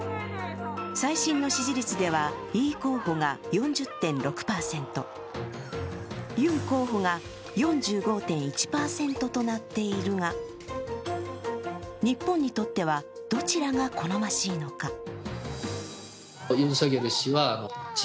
最新の支持率では、イ候補が４０．６％、ユン候補が４５．１％となっているが日本にとっては、どちらが好ましいのか？